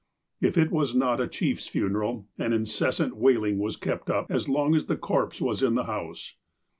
If it was not a chief's funeral, an incessant wailing was kept up as long as the corpse was in the house.